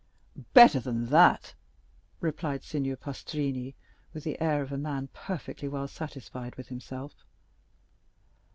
"Better than that!" replied Signor Pastrini, with the air of a man perfectly well satisfied with himself.